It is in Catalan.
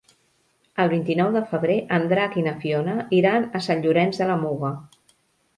El vint-i-nou de febrer en Drac i na Fiona iran a Sant Llorenç de la Muga.